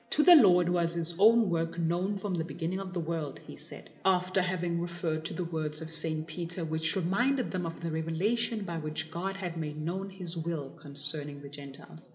" To the Lord was His own work known from the beginning of the world," he said, after having referred to the words of St. Peter which reminded them of the revelation by which God had made known His will con cerning the Gentiles.